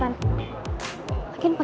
ini udah sekarang